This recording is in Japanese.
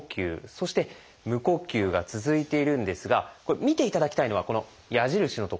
そして「無呼吸」が続いているんですが見ていただきたいのはこの矢印の所。